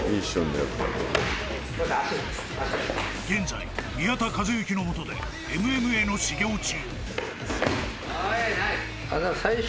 ［現在宮田和幸の元でＭＭＡの修業中］